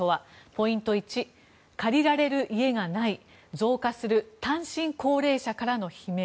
ポイント１、借りられる家がない増加する単身高齢者からの悲鳴。